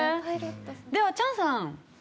ではチャンさん。